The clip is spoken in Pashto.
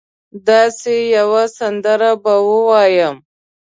داسي یوه سندره به ووایم